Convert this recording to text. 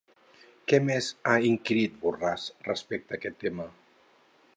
Què més ha inquirit Borràs respecte a aquest tema?